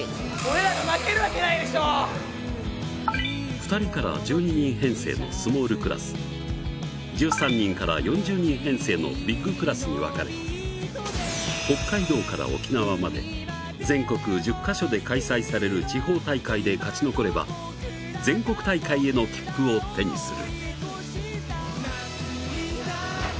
２人から１２人編成のスモールクラス１３人から４０人編成のビッグクラスに分かれ北海道から沖縄まで全国１０か所で開催される地方大会で勝ち残れば全国大会への切符を手にする。